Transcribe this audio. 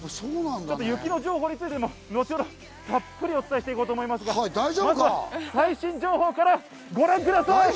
雪の情報についても後ほどたっぷりお伝えしていこうと思いますが、まずは最新情報からご覧ください。